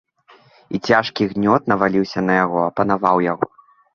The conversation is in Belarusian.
І цяжкі гнёт наваліўся на яго, апанаваў яго.